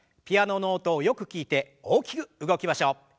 ピアノの音をよく聞いて大きく動きましょう。